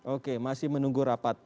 oke masih menunggu rapat